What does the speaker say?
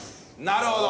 なるほど。